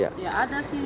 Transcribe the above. ya ada sih